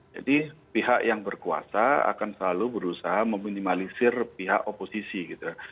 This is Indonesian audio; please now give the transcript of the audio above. jadi pihak yang berkuasa akan selalu berusaha meminimalisir pihak oposisi gitu